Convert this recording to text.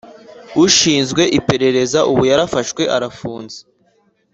Ushinzwe iperereza Ubu yarafashwe arafunze